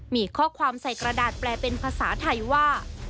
มีข้อความใส่กระดาษแปลเป็นภาษาไทยว่า